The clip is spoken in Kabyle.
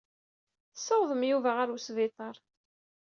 Tessawḍem Yuba ɣer wesbiṭar.